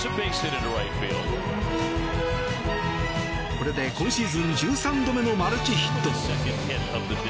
これで今シーズン１３度目のマルチヒット。